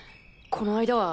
この間は。